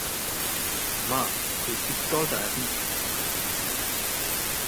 মা, এই পিস্তলটা এখন তোমার জিম্মাতেই থাকতে পারে।